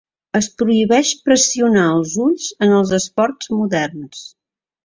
Es prohibeix pressionar els ulls en els esports moderns.